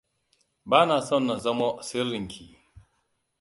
Bana son na zamo sirrin ki.